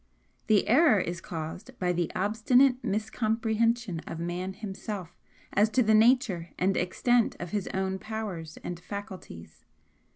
The error is caused by the obstinate miscomprehension of man himself as to the nature and extent of his own powers and faculties.